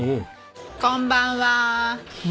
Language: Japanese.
こんばんは。